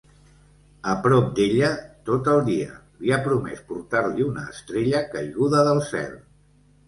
A prop d'ella tot el dia, li ha promès portar-li una estrella caiguda del cel.